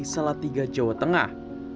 salatiga jawa tengah